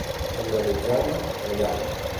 A Vilamitjana, la llana.